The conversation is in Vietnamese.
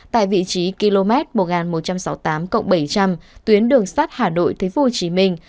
tại vị trí km một nghìn một trăm sáu mươi tám bảy trăm linh tuyến đường sắt hà nội thành phố hồ chí minh